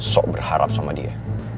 sok berharap sama dia